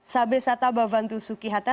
sabesata bavantu sukihata